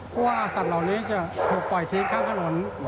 กลัวสัตว์เหล่านี้จะถูกปล่อยทีข้ามถนน